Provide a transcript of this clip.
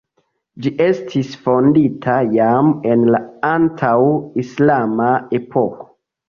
Ĝi estis fondita jam en la antaŭ-islama epoko.